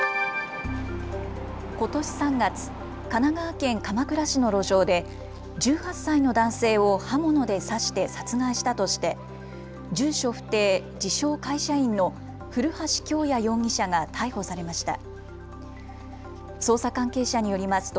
ことし３月、神奈川県鎌倉市の路上で１８歳の男性を刃物で刺して殺害したとして住所不定、自称、会社員の古橋京也容疑者が逮捕されました。